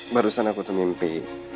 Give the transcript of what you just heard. barusan aku tuh mimpi